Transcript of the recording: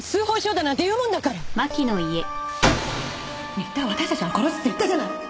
新田は私たちが殺すって言ったじゃない！